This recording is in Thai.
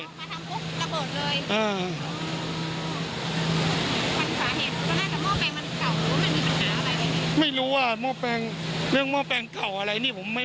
สวยชีวิตทั้งคู่ก็ออกมาไม่ได้อีกเลยครับ